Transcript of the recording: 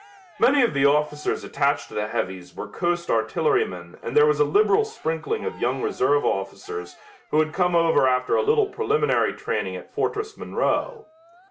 Many of the officers attached to the heavies were coast artillerymen and there was a liberal sprinkling of young reserve officers who had come over after a little preliminary training at Fortress Monroe.